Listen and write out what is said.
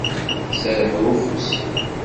Serreḥ i ufus-iw.